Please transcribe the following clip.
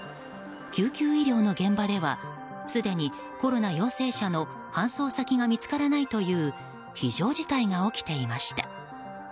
救急医療の現場ではすでにコロナ陽性者の搬送先が見つからないという非常事態が起きていました。